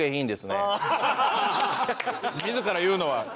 自ら言うのは。